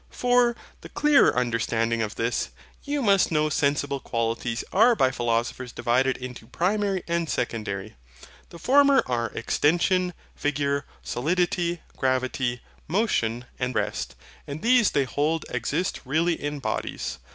For the clearer understanding of this, you must know sensible qualities are by philosophers divided into PRIMARY and SECONDARY. The former are Extension, Figure, Solidity, Gravity, Motion, and Rest; and these they hold exist really in bodies.